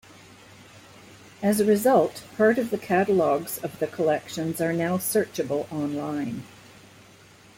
As a result, part of the catalogues of the collections are now searchable online.